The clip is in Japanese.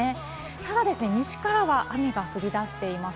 ただ西からは雨が降り出しています。